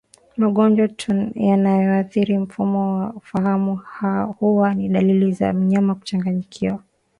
Magonjwa yanayoathiri mfumo wa fahamu huwa na dalili za mnyama kuchanganyikiwa